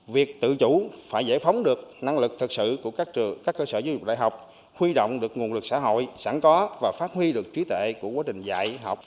việc tự chủ phải giải phóng được năng lực thực sự của các cơ sở giáo dục đại học huy động được nguồn lực xã hội sẵn có và phát huy được trí tệ của quá trình dạy học